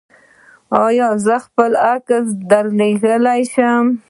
ایا زه خپل عکس درلیږلی شم؟